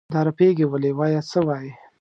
دا رپېږې ولې؟ وایه څه وایې؟